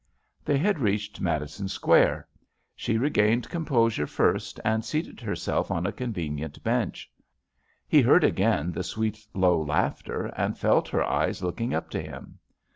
They had reached Madison Square. She regained composure first and seated herself on a convenient bench. He heard again the sweet, low laughter and felt her eyes looking up to him.